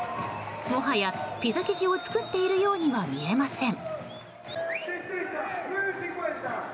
もはやピザ生地を作っているようには見えません。